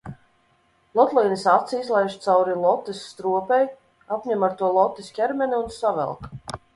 Lotlīnes aci izlaiž cauri lotes stropei, apņem ar to lotes ķermeni un savelk.